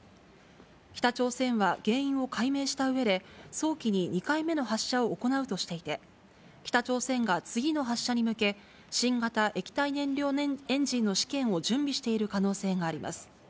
北朝鮮は原因を解明したうえで、早期に２回目の発射を行うとしていて、北朝鮮が次の発射に向け、新型液体燃料エンジンの試験を準備している可能性があります。